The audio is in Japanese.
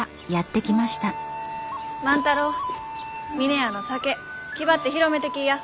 万太郎峰屋の酒気張って広めてきいや。